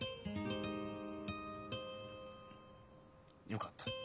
よかった。